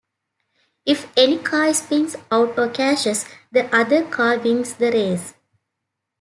If any car spins out or crashes, the other car wins the race.